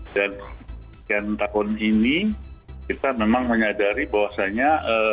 dan sekian tahun ini kita memang menyadari bahwasannya